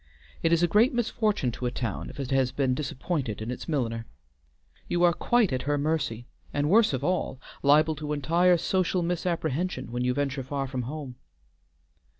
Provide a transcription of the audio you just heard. It is a great misfortune to a town if it has been disappointed in its milliner. You are quite at her mercy, and, worse than all, liable to entire social misapprehension when you venture far from home."